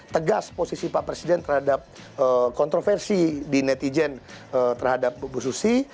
tegas posisi pak presiden terhadap kontroversi di netizen terhadap bu susi